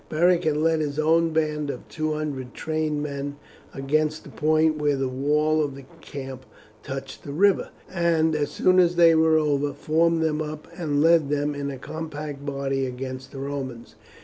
Beric had led his own band of two hundred trained men against the point where the wall of the camp touched the river, and as soon as they were over formed them up and led them in a compact body against the Romans.